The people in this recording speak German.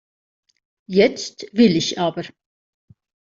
Jetzt will ich aber.